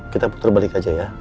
kita putar balik aja ya